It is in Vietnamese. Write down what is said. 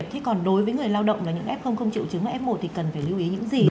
thế còn đối với người lao động là những f không triệu chứng f một thì cần phải lưu ý những gì